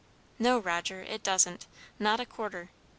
"No, Roger, it doesn't; not a quarter.